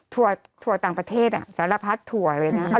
ถั่วต่างประเทศสารพัดถั่วเลยนะ